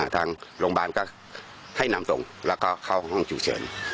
ทางโรงพยาบาลก็ให้นำส่งแล้วก็เข้าห้องฉุกเฉิน